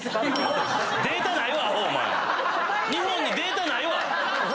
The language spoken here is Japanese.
日本にデータないわ！